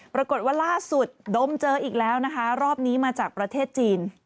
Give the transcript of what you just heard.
ปรากฏว่าล่าสุดดมเจออีกแล้วนะคะรอบนี้มาจากประเทศจีน